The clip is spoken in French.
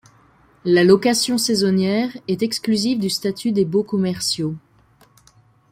La location saisonnière est exclusive du statut des baux commerciaux.